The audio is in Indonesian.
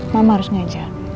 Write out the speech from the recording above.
mama harus ngajar